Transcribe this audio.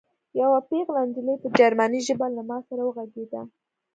یوه پېغله نجلۍ په جرمني ژبه له ما سره وغږېده